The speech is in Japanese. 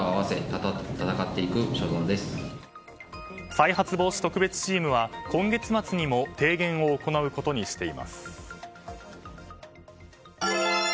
再発防止特別チームは今月末にも提言を行うことにしています。